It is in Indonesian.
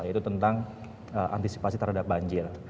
yaitu tentang antisipasi terhadap banjir